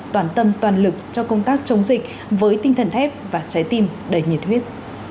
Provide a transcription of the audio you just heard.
toàn tâm toàn lực cho công tác chống dịch với tinh thần thép và trái tim đầy nhiệt huyết